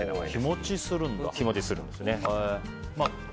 日持ちするんですよね。